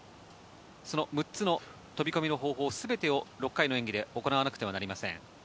その６つの飛込の方法を全て６回の演技で行わなくてはなりません。